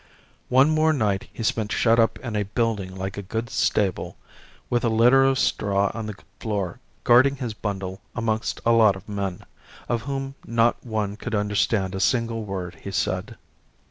One more night he spent shut up in a building like a good stable with a litter of straw on the floor, guarding his bundle amongst a lot of men, of whom not one could understand a single word he said.